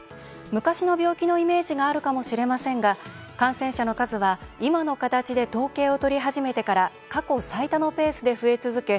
昔の病気のイメージがあるかもしれませんが感染者の数は今の形で統計を取り始めてから過去最多のペースで増え続け